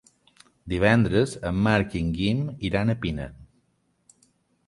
Divendres en Marc i en Guim iran a Pina.